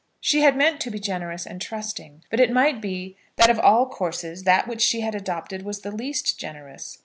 She had meant to be generous and trusting; but it might be that of all courses that which she had adopted was the least generous.